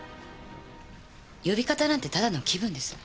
呼び方なんてただの気分です。